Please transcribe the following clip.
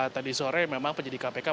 tadi sore memang penyidik kpk masih menantikan